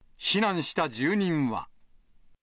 避難した住人は。